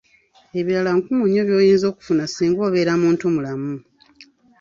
Ebibala nkumu nnyo by'oyinza okufuna singa obeera omuntumulamu.